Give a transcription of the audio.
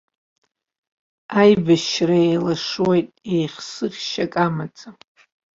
Аибашьра еилашуеит, еихсыӷьшьак амаӡам.